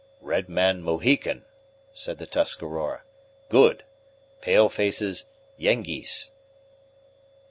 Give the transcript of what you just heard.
"Red man, Mohican," said the Tuscarora; "good; pale faces, Yengeese."